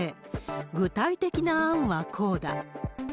具体的な案はこうだ。